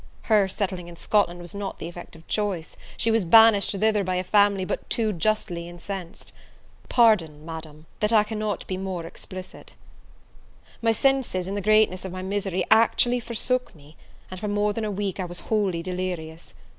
Her settling in Scotland was not the effect of choice, she was banished thither by a family but too justly incensed. Pardon, Madam, that I cannot be more explicit! My senses, in the greatness of my misery, actually forsook me, and, for more than a week, I was wholly delirious.